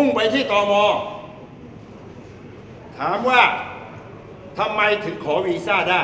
่งไปที่ตมถามว่าทำไมถึงขอวีซ่าได้